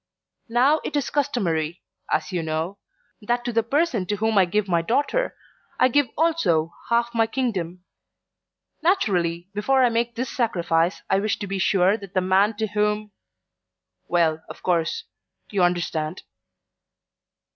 "Now it is customary, as you know, that to the person to whom I give my daughter, I give also half my kingdom. Naturally before I make this sacrifice I wish to be sure that the man to whom well, of course, you understand."